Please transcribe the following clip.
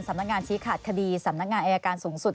สำนักงานชี้ขาดคดีสำนักงานอายการสูงสุด